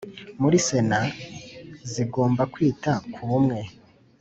muri Sena zigomba kwita ku bumwe